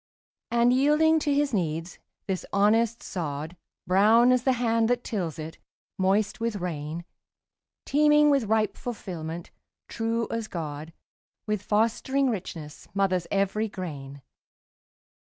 And yielding to his needs, this honest sod, Brown as the hand that tills it, moist with rain, Teeming with ripe fulfilment, true as God, With fostering richness, mothers every grain.